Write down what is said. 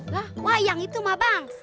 wah yang itu mah bang